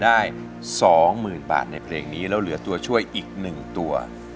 ให้พลอยได้สองหมื่นบาทในเพลงนี้แล้วเหลือตัวช่วยอีกหนึ่งตัว